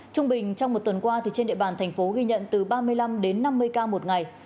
trung bình trong một tuần qua trên địa bàn thành phố ghi nhận từ ba mươi năm đến năm mươi ca một ngày